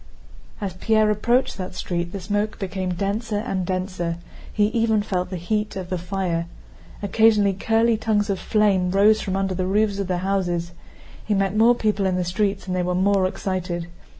As Pierre approached that street the smoke became denser and denser—he even felt the heat of the fire. Occasionally curly tongues of flame rose from under the roofs of the houses. He met more people in the streets and they were more excited.